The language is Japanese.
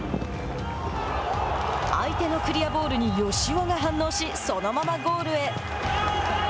相手のクリアボールに吉尾が反応しそのままゴールへ。